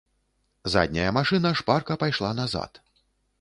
Задняя машына шпарка пайшла назад.